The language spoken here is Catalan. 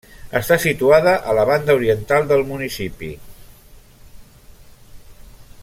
Està situada a la banda oriental del municipi.